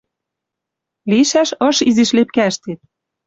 Лишӓш ыш изиш лепкӓштет —